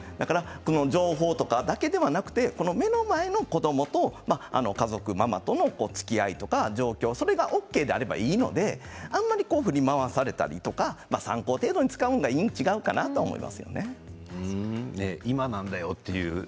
情報だけではなく目の前の子どもと家族、ママ友とのつきあいとかその状況がＯＫであればいいのであまり振り回されたり参考程度に使うのがいいん違うかなと思いますね。